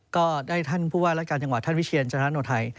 ก็ได้ท่านผู้ว่าราชการจังหวัดท่านวิเชียรจนาโนไทย